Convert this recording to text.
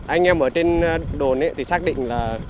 anh em ở trên đồn thì xác định là